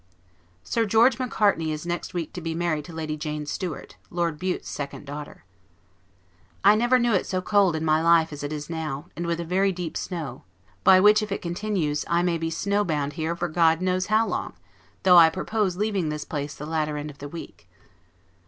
Sir George Macartney is next week to be married to Lady Jane Stuart, Lord Bute's second daughter. I never knew it so cold in my life as it is now, and with a very deep snow; by which, if it continues, I may be snow bound here for God knows how long, though I proposed leaving this place the latter end of the week.